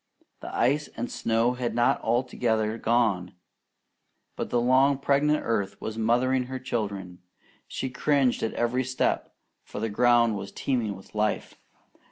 The ice and snow had not altogether gone; but the long pregnant earth was mothering her children. She cringed at every step, for the ground was teeming with life.